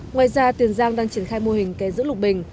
ngoài ra tiền giang đang triển khai mô hình kè giữ lục bình